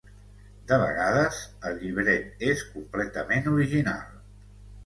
De vegades, el llibret és completament original.